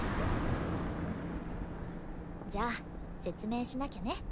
んっじゃあ説明しなきゃね。